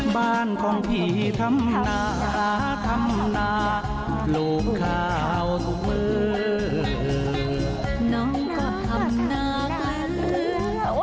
บ้านของผีธรรมนาธรรมนาโลกขาวทุกเมอร์น้องก็ธรรมนาเบอร์